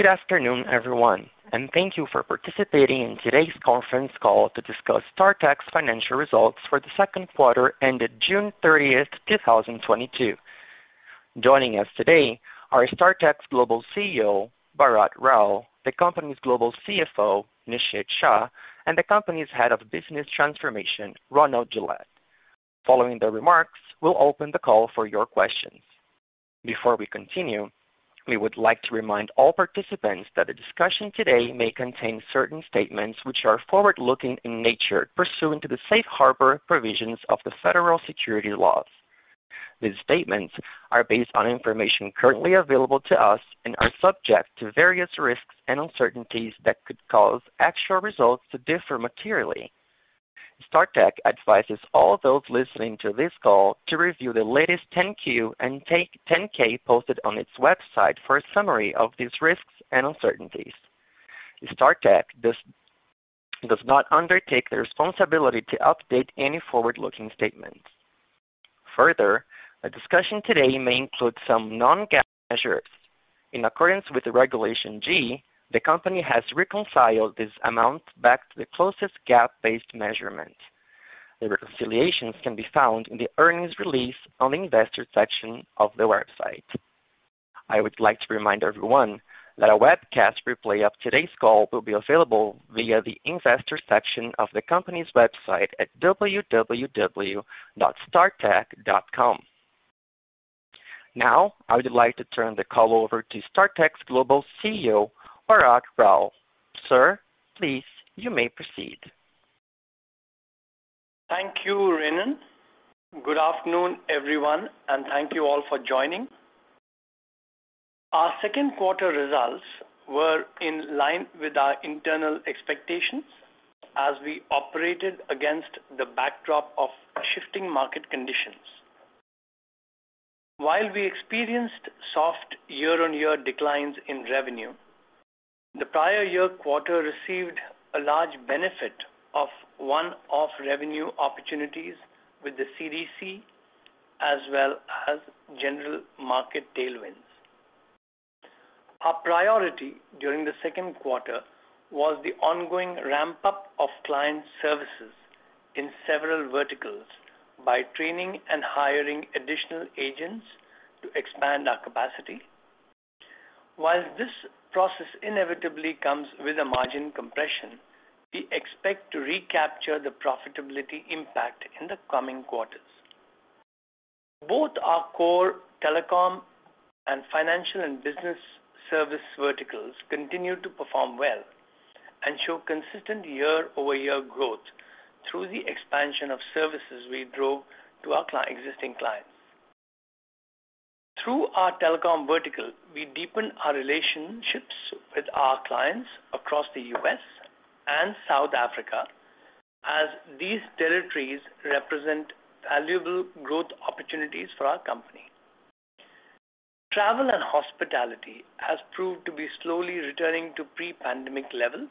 Good afternoon, everyone, and thank you for participating in today's conference call to discuss Startek's financial results for the second quarter ended June 30th, 2022. Joining us today are Startek's Global CEO, Bharat Rao, the company's Global CFO, Nishit Shah, and the company's Head of Business Transformation, Ronald Gillette. Following the remarks, we'll open the call for your questions. Before we continue, we would like to remind all participants that the discussion today may contain certain statements which are forward-looking in nature pursuant to the safe harbor provisions of the Federal Securities laws. These statements are based on information currently available to us and are subject to various risks and uncertainties that could cause actual results to differ materially. Startek advises all those listening to this call to review the latest 10-Q and 10-K posted on its website for a summary of these risks and uncertainties. Startek does not undertake the responsibility to update any forward-looking statements. Further, the discussion today may include some non-GAAP measures. In accordance with the Regulation G, the company has reconciled this amount back to the closest GAAP-based measurement. The reconciliations can be found in the earnings release on the investor section of the website. I would like to remind everyone that a webcast replay of today's call will be available via the investor section of the company's website at www.startek.com. Now, I would like to turn the call over to Startek's Global CEO, Bharat Rao. Sir, please, you may proceed. Thank you, Renan. Good afternoon, everyone, and thank you all for joining. Our second quarter results were in line with our internal expectations as we operated against the backdrop of shifting market conditions. While we experienced soft year-on-year declines in revenue, the prior year quarter received a large benefit of one-off revenue opportunities with the CDC, as well as general market tailwinds. Our priority during the second quarter was the ongoing ramp-up of client services in several verticals by training and hiring additional agents to expand our capacity. While this process inevitably comes with a margin compression, we expect to recapture the profitability impact in the coming quarters. Both our core telecom and financial and business service verticals continued to perform well and show consistent year-over-year growth through the expansion of services we drove to our existing clients. Through our telecom vertical, we deepened our relationships with our clients across the U.S. and South Africa, as these territories represent valuable growth opportunities for our company. Travel and hospitality has proved to be slowly returning to pre-pandemic levels,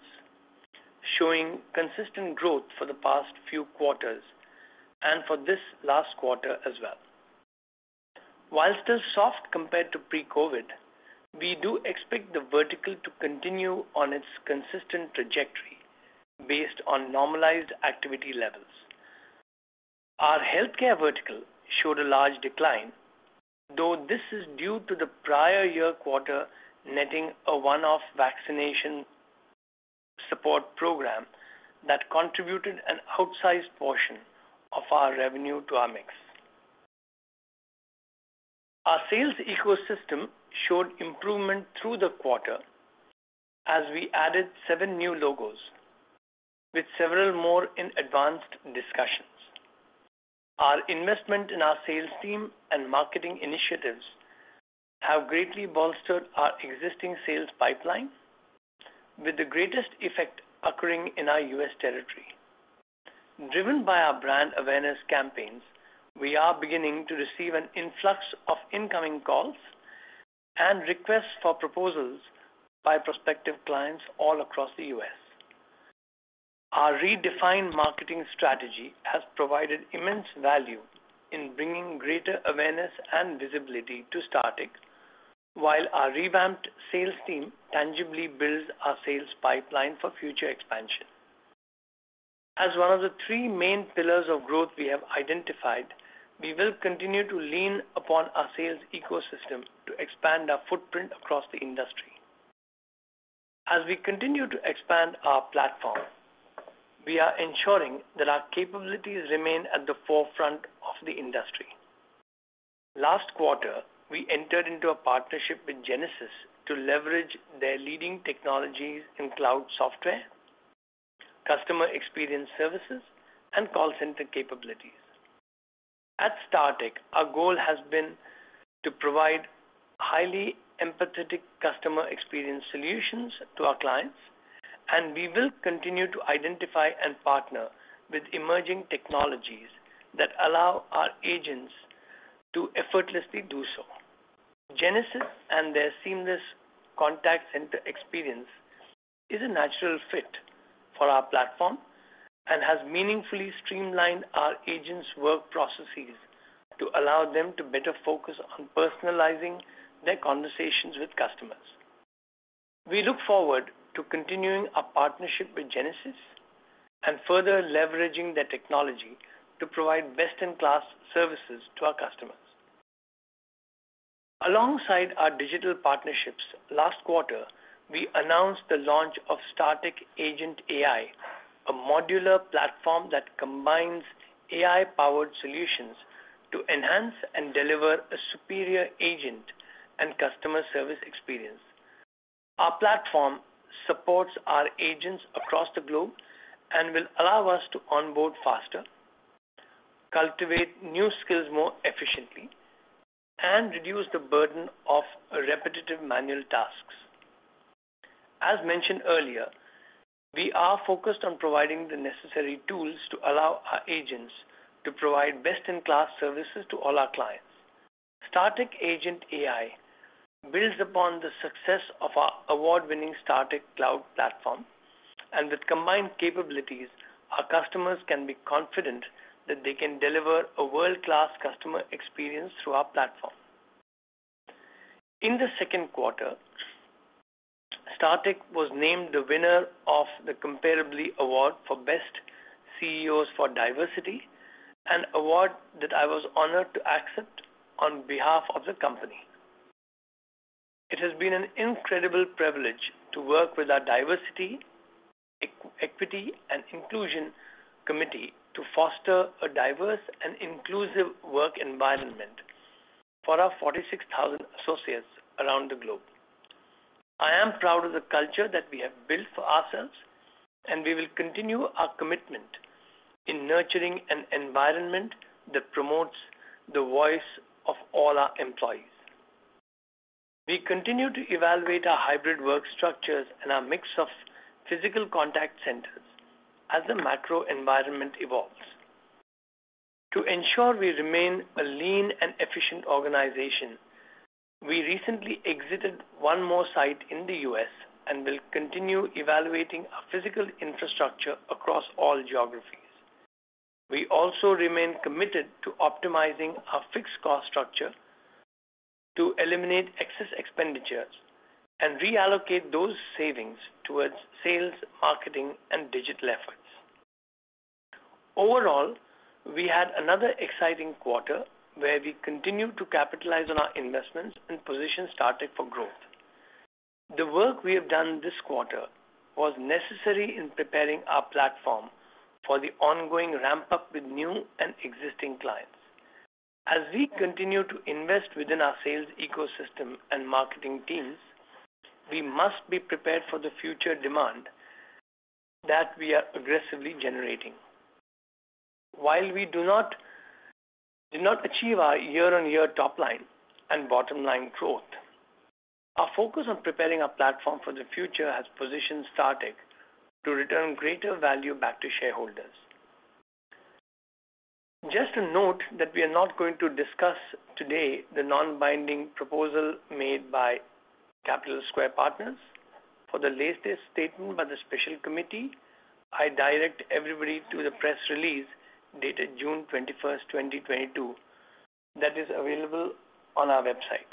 showing consistent growth for the past few quarters and for this last quarter as well. While still soft compared to pre-COVID, we do expect the vertical to continue on its consistent trajectory based on normalized activity levels. Our healthcare vertical showed a large decline, though this is due to the prior year quarter netting a one-off vaccination support program that contributed an outsized portion of our revenue to our mix. Our sales ecosystem showed improvement through the quarter as we added seven new logos, with several more in advanced discussions. Our investment in our sales team and marketing initiatives have greatly bolstered our existing sales pipeline, with the greatest effect occurring in our U.S. territory. Driven by our brand awareness campaigns, we are beginning to receive an influx of incoming calls and requests for proposals by prospective clients all across the U.S. Our redefined marketing strategy has provided immense value in bringing greater awareness and visibility to Startek, while our revamped sales team tangibly builds our sales pipeline for future expansion. As one of the three main pillars of growth we have identified, we will continue to lean upon our sales ecosystem to expand our footprint across the industry. As we continue to expand our platform, we are ensuring that our capabilities remain at the forefront of the industry. Last quarter, we entered into a partnership with Genesys to leverage their leading technologies in cloud software, customer experience services, and call center capabilities. At Startek, our goal has been to provide highly empathetic customer experience solutions to our clients, and we will continue to identify and partner with emerging technologies that allow our agents to effortlessly do so. Genesys and their seamless contact center experience is a natural fit for our platform. Has meaningfully streamlined our agents' work processes to allow them to better focus on personalizing their conversations with customers. We look forward to continuing our partnership with Genesys and further leveraging the technology to provide best-in-class services to our customers. Alongside our digital partnerships, last quarter, we announced the launch of Startek Agent AI, a modular platform that combines AI-powered solutions to enhance and deliver a superior agent and customer service experience. Our platform supports our agents across the globe and will allow us to onboard faster, cultivate new skills more efficiently, and reduce the burden of repetitive manual tasks. As mentioned earlier, we are focused on providing the necessary tools to allow our agents to provide best-in-class services to all our clients. Startek Agent AI builds upon the success of our award-winning Startek Cloud platform, and with combined capabilities, our customers can be confident that they can deliver a world-class customer experience through our platform. In the second quarter, Startek was named the winner of the Comparably Award for Best CEOs for Diversity, an award that I was honored to accept on behalf of the company. It has been an incredible privilege to work with our diversity, equity, and inclusion committee to foster a diverse and inclusive work environment for our 46,000 associates around the globe. I am proud of the culture that we have built for ourselves, and we will continue our commitment in nurturing an environment that promotes the voice of all our employees. We continue to evaluate our hybrid work structures and our mix of physical contact centers as the macro environment evolves. To ensure we remain a lean and efficient organization, we recently exited one more site in the U.S. and will continue evaluating our physical infrastructure across all geographies. We also remain committed to optimizing our fixed cost structure to eliminate excess expenditures and reallocate those savings towards sales, marketing, and digital efforts. Overall, we had another exciting quarter where we continued to capitalize on our investments and position Startek for growth. The work we have done this quarter was necessary in preparing our platform for the ongoing ramp-up with new and existing clients.. As we continue to invest within our sales ecosystem and marketing teams, we must be prepared for the future demand that we are aggressively generating. While we do not, did not achieve our year-on-year top line and bottom line growth, our focus on preparing our platform for the future has positioned Startek to return greater value back to shareholders. Just a note that we are not going to discuss today the non-binding proposal made by Capital Square Partners. For the latest statement by the special committee, I direct everybody to the press release dated June 21st, 2022, that is available on our website.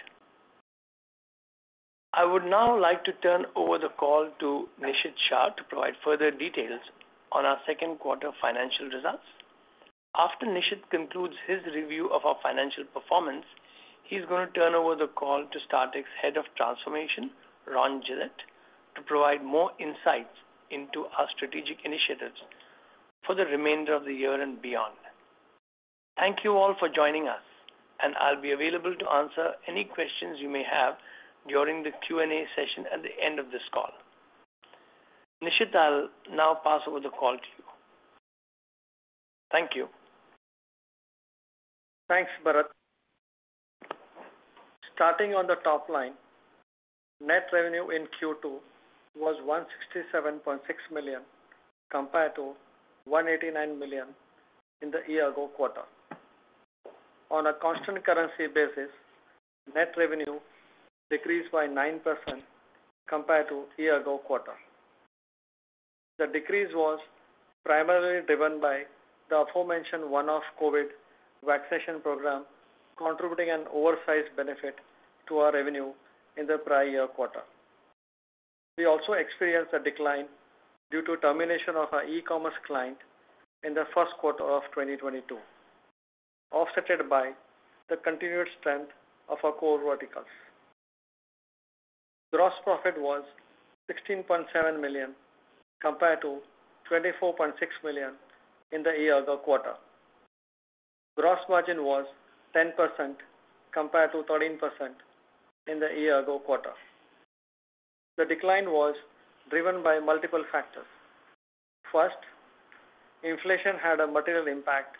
I would now like to turn over the call to Nishit Shah to provide further details on our second quarter financial results. After Nishit concludes his review of our financial performance, he's gonna turn over the call to Startek's Head of Transformation, Ron Gillette, to provide more insights into our strategic initiatives for the remainder of the year and beyond. Thank you all for joining us, and I'll be available to answer any questions you may have during the Q&A session at the end of this call. Nishit, I'll now pass over the call to you. Thank you. Thanks, Bharat. Starting on the top line, net revenue in Q2 was $167.6 million compared to $189 million in the year-ago quarter. On a constant currency basis, net revenue decreased by 9% compared to year-ago quarter. The decrease was primarily driven by the aforementioned one-off COVID vaccination program, contributing an oversized benefit to our revenue in the prior quarter. We also experienced a decline due to termination of our e-commerce client in the first quarter of 2022, offset by the continued strength of our core verticals. Gross profit was $16.7 million, compared to $24.6 million in the year-ago quarter. Gross margin was 10% compared to 13% in the year-ago quarter. The decline was driven by multiple factors. First, inflation had a material impact.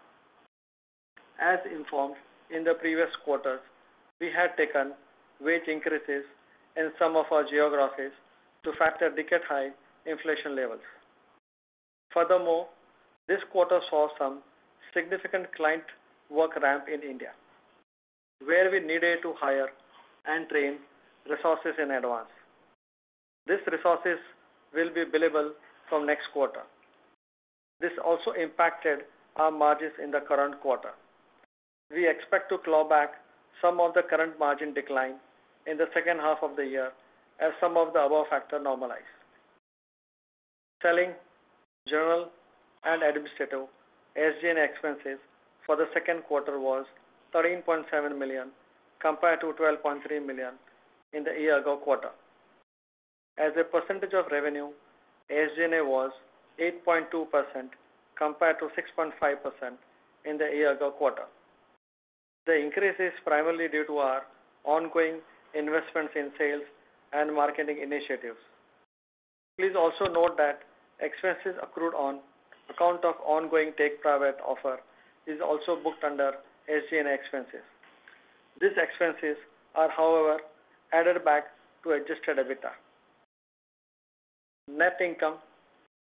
As informed in the previous quarters, we had taken wage increases in some of our geographies to factor decade-high inflation levels. Furthermore, this quarter saw some significant client work ramp in India, where we needed to hire and train resources in advance. These resources will be billable from next quarter. This also impacted our margins in the current quarter. We expect to claw back some of the current margin decline in the second half of the year as some of the above factor normalize. Selling, general, and administrative SG&A expenses for the second quarter was $13.7 million compared to $12.3 million in the year-ago quarter. As a percentage of revenue, SG&A was 8.2% compared to 6.5% in the year-ago quarter. The increase is primarily due to our ongoing investments in sales and marketing initiatives. Please also note that expenses accrued on account of ongoing take private offer is also booked under SG&A expenses. These expenses are, however, added back to adjusted EBITDA. Net income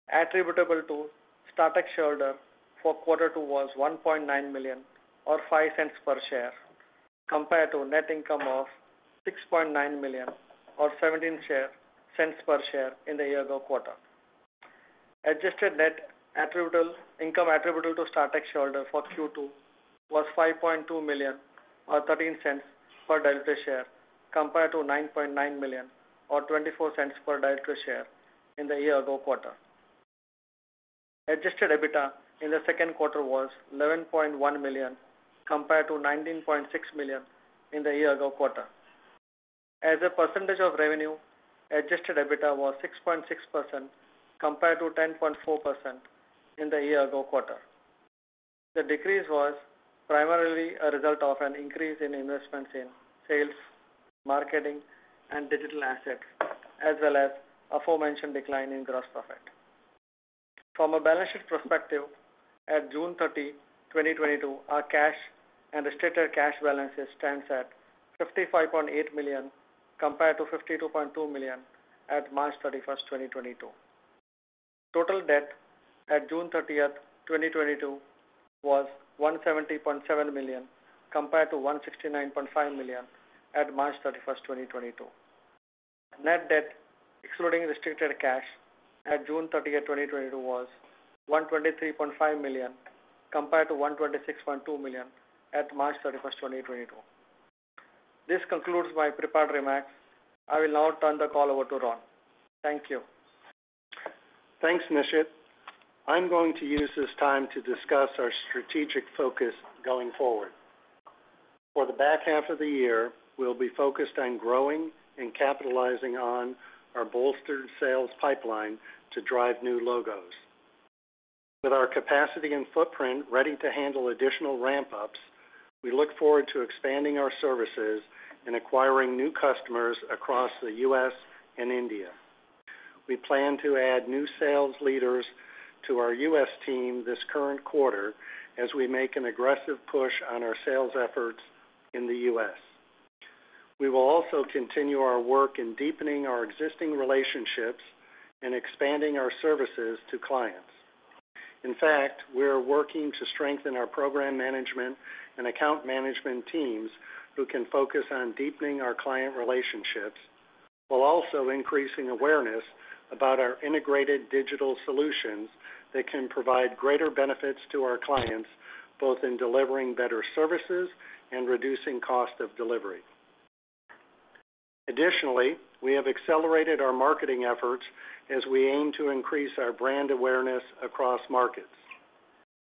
attributable to Startek shareholder for quarter two was $1.9 million or $0.05 per share, compared to net income of $6.9 million or $0.17 per share in the year ago quarter. Adjusted net income attributable to Startek shareholder for Q2 was $5.2 million or $0.13 per diluted share, compared to $9.9 million or $0.24 per diluted share in the year ago quarter. Adjusted EBITDA in the second quarter was $11.1 million compared to $19.6 million in the year ago quarter. As a percentage of revenue, adjusted EBITDA was 6.6% compared to 10.4% in the year ago quarter. The decrease was primarily a result of an increase in investments in sales, marketing, and digital assets, as well as aforementioned decline in gross profit. From a balance sheet perspective, at June 30th, 2022, our cash and restricted cash balances stands at $55.8 million compared to $52.2 million at March 31st, 2022. Total debt at June 30th, 2022 was $170.7 million compared to $169.5 million at March 31st, 2022. Net debt excluding restricted cash at June 30th, 2022 was $123.5 million compared to $126.2 million at March 31st, 2022. This concludes my prepared remarks. I will now turn the call over to Ron. Thank you. Thanks, Nishit. I'm going to use this time to discuss our strategic focus going forward. For the back half of the year, we'll be focused on growing and capitalizing on our bolstered sales pipeline to drive new logos. With our capacity and footprint ready to handle additional ramp-ups, we look forward to expanding our services and acquiring new customers across the U.S. and India. We plan to add new sales leaders to our U.S. team this current quarter as we make an aggressive push on our sales efforts in the U.S. We will also continue our work in deepening our existing relationships and expanding our services to clients. In fact, we are working to strengthen our program management and account management teams who can focus on deepening our client relationships while also increasing awareness about our integrated digital solutions that can provide greater benefits to our clients, both in delivering better services and reducing cost of delivery. Additionally, we have accelerated our marketing efforts as we aim to increase our brand awareness across markets.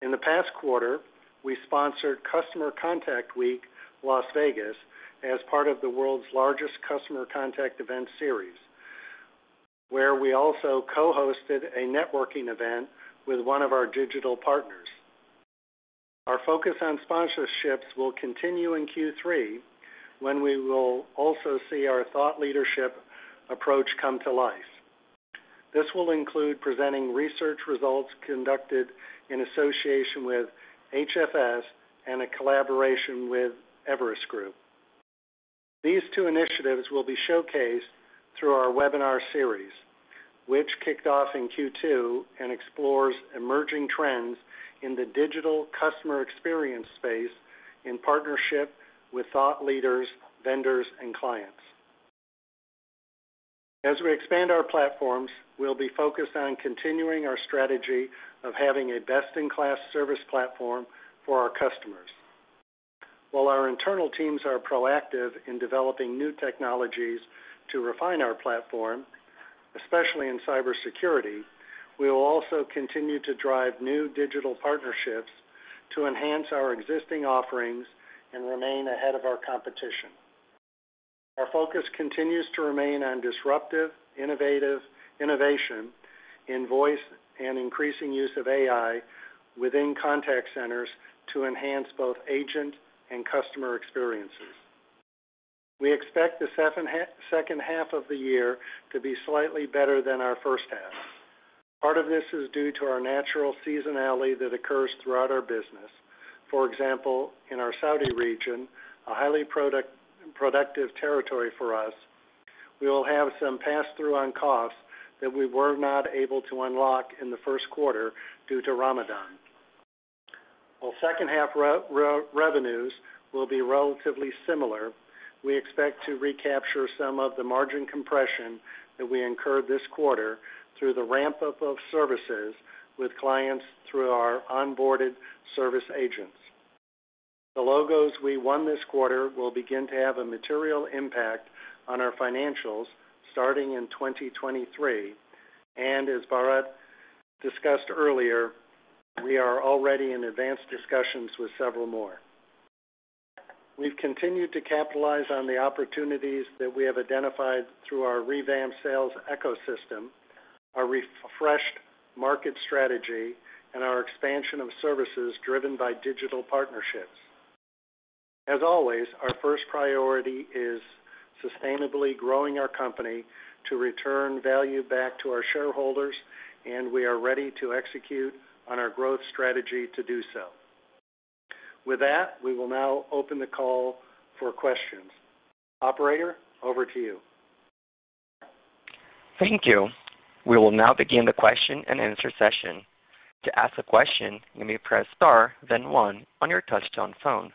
In the past quarter, we sponsored Customer Contact Week, Las Vegas, as part of the world's largest customer contact event series, where we also co-hosted a networking event with one of our digital partners. Our focus on sponsorships will continue in Q3 when we will also see our thought leadership approach come to life. This will include presenting research results conducted in association with HFS and a collaboration with Everest Group. These two initiatives will be showcased through our webinar series, which kicked off in Q2 and explores emerging trends in the digital customer experience space in partnership with thought leaders, vendors, and clients. As we expand our platforms, we'll be focused on continuing our strategy of having a best-in-class service platform for our customers. While our internal teams are proactive in developing new technologies to refine our platform, especially in cybersecurity, we will also continue to drive new digital partnerships to enhance our existing offerings and remain ahead of our competition. Our focus continues to remain on disruptive, innovation in voice and increasing use of AI within contact centers to enhance both agent and customer experiences. We expect the second half of the year to be slightly better than our first half. Part of this is due to our natural seasonality that occurs throughout our business. For example, in our Saudi region, a highly productive territory for us. We will have some pass-through on costs that we were not able to unlock in the first quarter due to Ramadan. While second half revenues will be relatively similar, we expect to recapture some of the margin compression that we incurred this quarter through the ramp-up of services with clients through our onboarded service agents. The logos we won this quarter will begin to have a material impact on our financials starting in 2023, and as Bharat discussed earlier, we are already in advanced discussions with several more. We've continued to capitalize on the opportunities that we have identified through our revamped sales ecosystem, our refreshed market strategy, and our expansion of services driven by digital partnerships. As always, our first priority is sustainably growing our company to return value back to our shareholders, and we are ready to execute on our growth strategy to do so. With that, we will now open the call for questions. Operator, over to you. Thank you. We will now begin the question-and-answer session. To ask a question, you may press star one on your touchtone phone.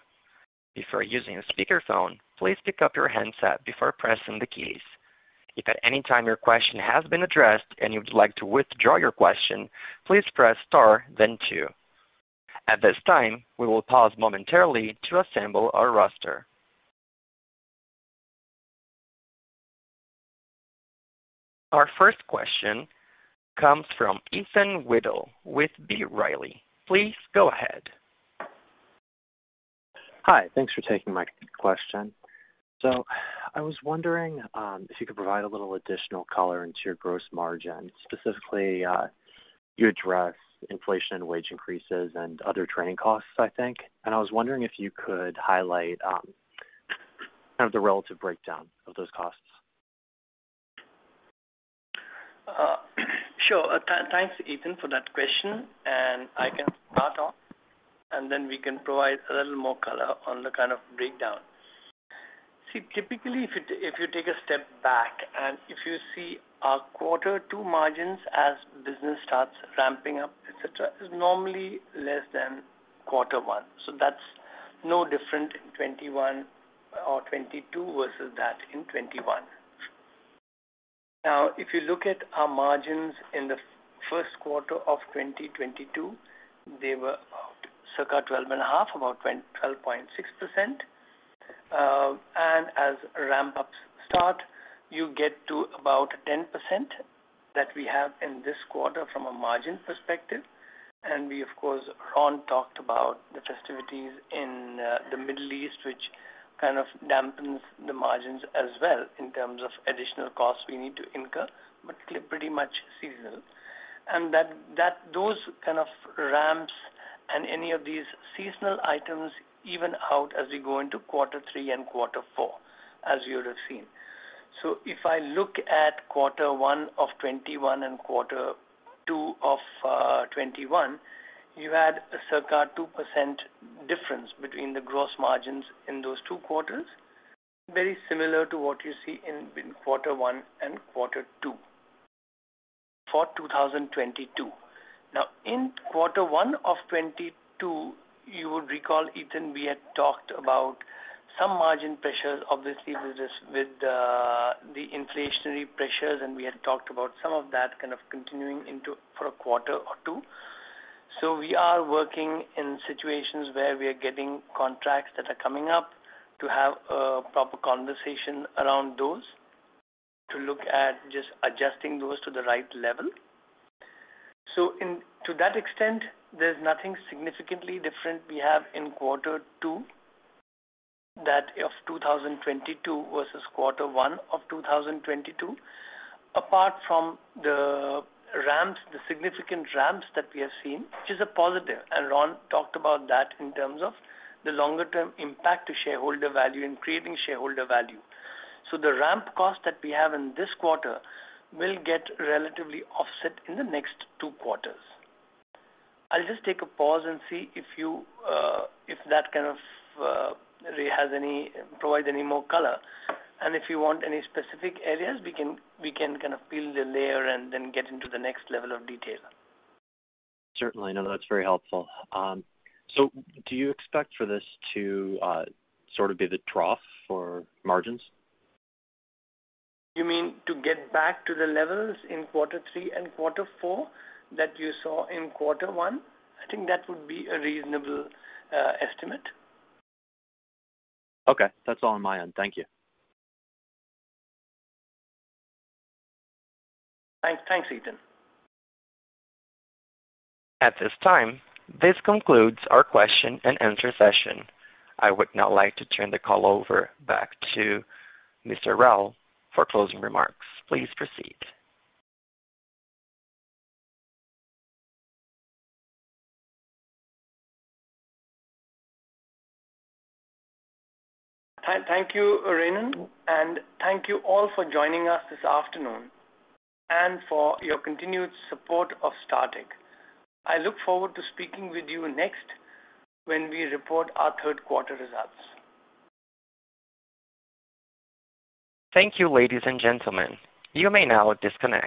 If you are using a speakerphone, please pick up your handset before pressing the keys. If at any time your question has been addressed and you would like to withdraw your question, please press star then two. At this time, we will pause momentarily to assemble our roster. Our first question comes from Ethan Whittle with B. Riley Securities. Please go ahead. Hi. Thanks for taking my question. I was wondering if you could provide a little additional color into your gross margin, specifically, you address inflation and wage increases and other training costs, I think. I was wondering if you could highlight, kind of the relative breakdown of those costs. Thanks, Ethan, for that question, and I can start off, and then we can provide a little more color on the kind of breakdown. See, typically, if you take a step back and if you see our quarter two margins as business starts ramping up, et cetera, is normally less than quarter one. That's no different in 2021 or 2022 versus that in 2021. Now, if you look at our margins in the first quarter of 2022, they were about circa 12.5%, about 12.6%. As ramp-ups start, you get to about 10% that we have in this quarter from a margin perspective. We of course, Ron talked about the festivities in the Middle East, which kind of dampens the margins as well in terms of additional costs we need to incur, but pretty much seasonal. That those kind of ramps and any of these seasonal items even out as we go into quarter three and quarter four, as you would have seen. If I look at quarter one of 2021 and quarter two of 2021, you had a circa 2% difference between the gross margins in those two quarters, very similar to what you see in quarter one and quarter two for 2022. Now, in quarter one of 2022, you would recall, Ethan, we had talked about some margin pressures, obviously with this, with the inflationary pressures, and we had talked about some of that kind of continuing [into quarter two]. We are working in situations where we are getting contracts that are coming up to have a proper conversation around those to look at just adjusting those to the right level. In to that extent, there's nothing significantly different we have in quarter two of 2022 versus quarter one of 2022, apart from the ramps, the significant ramps that we have seen, which is a positive. Ron talked about that in terms of the longer-term impact to shareholder value and creating shareholder value. The ramp cost that we have in this quarter will get relatively offset in the next two quarters. I'll just take a pause and see if you, if that kind of, has any, provide any more color. If you want any specific areas, we can kind of peel the layer and then get into the next level of detail. Certainly. No, that's very helpful. Do you expect for this to sort of be the trough for margins? You mean to get back to the levels in quarter three and quarter four that you saw in quarter one? I think that would be a reasonable estimate. Okay. That's all on my end. Thank you. Thanks, Ethan. At this time, this concludes our question-and-answer session. I would now like to turn the call back over to Bharat Rao for closing remarks. Please proceed. Thank you, Renan, and thank you all for joining us this afternoon and for your continued support of Startek. I look forward to speaking with you next when we report our third quarter results. Thank you, ladies and gentlemen. You may now disconnect.